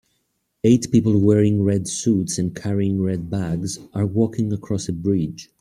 Eight people wearing red suits and carrying red bags are walking across a bridge.